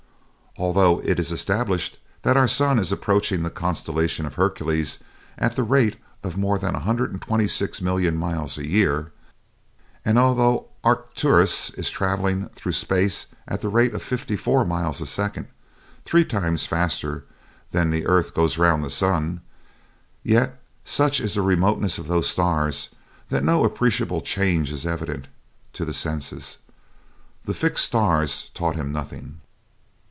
Although it is established that our sun is approaching the constellation of Hercules at the rate of more than 126,000,000 miles a year, and although Arcturus is traveling through space at the rate of fifty four miles a second three times faster than the earth goes round the sun, yet such is the remoteness of those stars that no appreciable change is evident to the senses. The fixed stars taught him nothing.